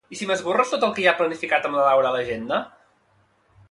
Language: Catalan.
I si m'esborres tot el que hi ha planificat amb la Laura a l'agenda?